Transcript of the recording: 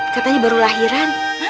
katanya baru lahiran